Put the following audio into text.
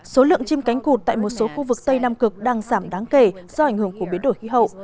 số lượng chim cánh cụt tại một số khu vực tây nam cực đang giảm đáng kể do ảnh hưởng của biến đổi khí hậu